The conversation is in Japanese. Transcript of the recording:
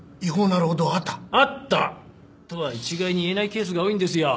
「あった」とは一概にいえないケースが多いんですよ。